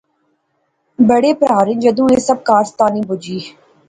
بڑے پراہریں جدوں ایہہ سب کارستانی بجی